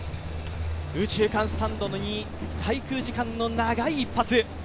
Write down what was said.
右中間スタンドに滞空時間の長い一発。